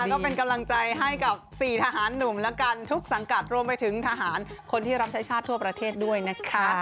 ก็เป็นกำลังใจให้กับ๔ทหารหนุ่มแล้วกันทุกสังกัดรวมไปถึงทหารคนที่รับใช้ชาติทั่วประเทศด้วยนะคะ